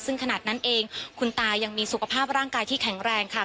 ซึ่งขนาดนั้นเองคุณตายังมีสุขภาพร่างกายที่แข็งแรงค่ะ